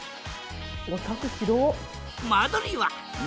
お宅広っ！